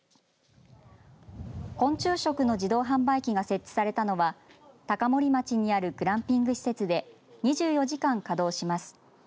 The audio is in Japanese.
昆虫食の自動販売機が設置されたのは高森町にあるグランピング施設で２４時間稼働します。